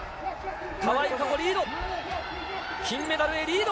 川井友香子リード、金メダルへリード。